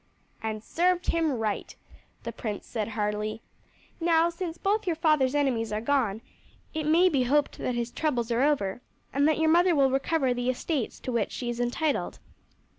"And served him right," the prince said heartily. "Now since both your father's enemies are gone, it may be hoped that his troubles are over, and that your mother will recover the estates to which she is entitled.